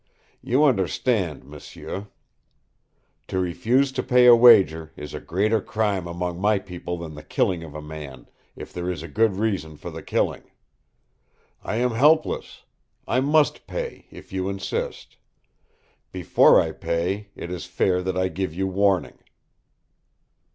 You understand, m'sieu. To refuse to pay a wager is a greater crime among my people than the killing of a man, if there is a good reason for the killing. I am helpless. I must pay, if you insist. Before I pay it is fair that I give you warning."